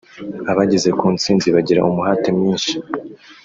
Abageze ku ntsinzi bagira umuhate mwinshi